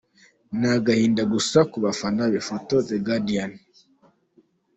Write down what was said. Ni agahinda gusa ku bafana be Photo:The Guardian.